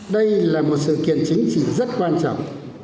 đây là một sự kiện chính trị rất quan trọng